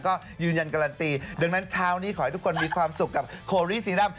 ก็ยืนยันการันตีดังนั้นเช้านี้ขอให้ทุกคนมีความสุขกับโครีสีดำ